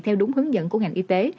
theo đúng hướng dẫn của ngành y tế